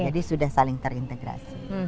jadi sudah saling terintegrasi